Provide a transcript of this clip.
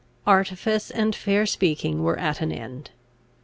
Artifice and fair speaking were at an end.